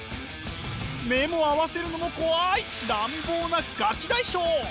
目も合わせるのも怖い乱暴なガキ大将。